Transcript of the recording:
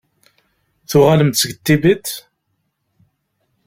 Tuɣalem-d seg Tibet?